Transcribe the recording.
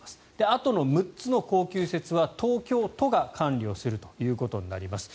あとの６つの恒久施設は東京都が管理をするということになります。